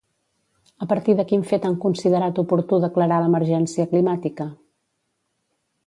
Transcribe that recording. A partir de quin fet han considerat oportú declarar l'emergència climàtica?